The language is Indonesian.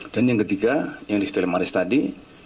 dan yang ketiga yang sekustil maris tadi